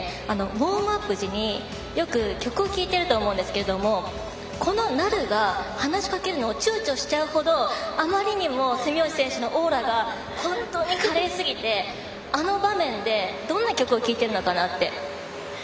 ウォームアップの時によく曲を聴いていらっしゃると思うんですけどこの、なるが話しかけるのをちゅうちょしちゃうほどあまりにも、住吉選手のオーラが本当に華麗すぎて、あの場面でどんな曲聴いてるのかなって。